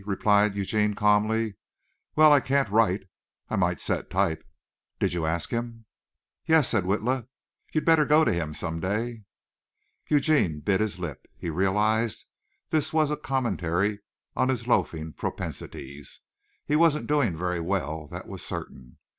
replied Eugene calmly. "Well, I can't write. I might set type. Did you ask him?" "Yes," said Witla. "You'd better go to him some day." Eugene bit his lip. He realized this was a commentary on his loafing propensities. He wasn't doing very well, that was certain.